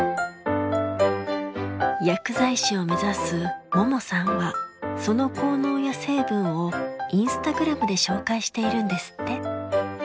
薬剤師を目指す萌桃さんはその効能や成分をインスタグラムで紹介しているんですって。